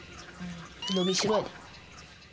伸びしろやで。